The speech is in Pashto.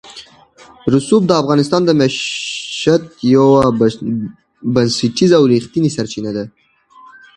رسوب د افغانانو د معیشت یوه بنسټیزه او رښتینې سرچینه ده.